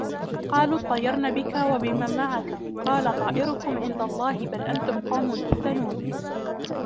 قالوا اطيرنا بك وبمن معك قال طائركم عند الله بل أنتم قوم تفتنون